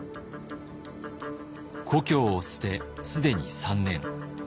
「故郷を捨て既に３年。